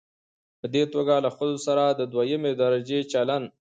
په دې توګه له ښځو سره د دويمې درجې چلن